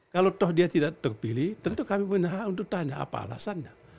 kalau toh dia tidak terpilih tentu kami punya hak untuk tanya apa alasannya